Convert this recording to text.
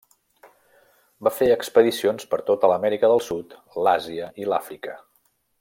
Va fer expedicions per tota l'Amèrica del Sud, l'Àsia i l'Àfrica.